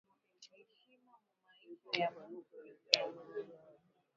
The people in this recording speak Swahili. Eshima mumaisha ya muntu niya maana